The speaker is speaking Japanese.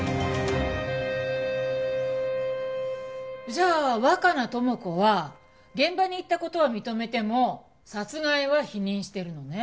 じゃあ若名友子は現場に行った事は認めても殺害は否認してるのね。